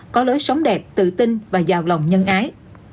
có lối sống đẹp tự tin và giàu lòng nhân ái